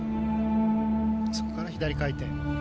そこから左回転。